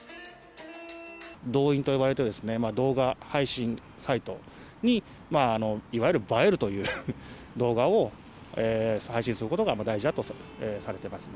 ドウインと呼ばれる動画配信サイトに、いわゆる映えるという動画を配信することが大事だとされてます。